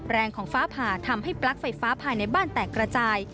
แรงของฟ้าผ่าทำให้ปลั๊กไฟฟ้าภายในบ้านแตกกระจาย